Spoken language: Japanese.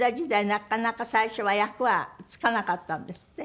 なかなか最初は役は付かなかったんですって？